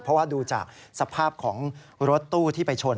เพราะว่าดูจากสภาพของรถตู้ที่ไปชน